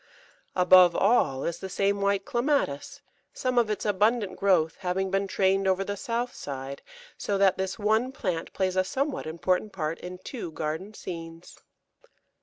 Above all is the same white Clematis, some of its abundant growth having been trained over the south side, so that this one plant plays a somewhat important part in two garden scenes.